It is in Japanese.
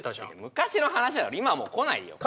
昔の話だろ今はもう来ないよ